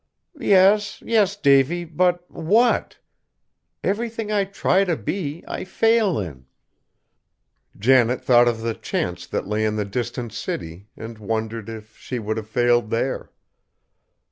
"Yes, yes, Davy, but what? Everything I try to be, I fail in." Janet thought of the chance that lay in the distant city and wondered if she would have failed there.